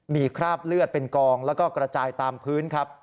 มีคราบเลือดเป็นกองแล้วก็กระจายตามพื้นครับ